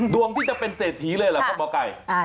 ดวงที่จะเป็นเศรษฐีเลยเหรอครับหมอไก่